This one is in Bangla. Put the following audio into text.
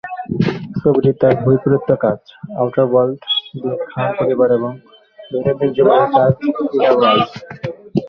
ছবিটি তার বৈপরীত্য কাজ "আউটার ওয়ার্ল্ড" দিয়ে খান পরিবার এবং দৈনন্দিন জীবনের কাজ "ইনার ওয়ার্ল্ড"।